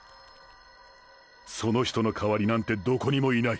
その人の代わりなんてどこにもいない！！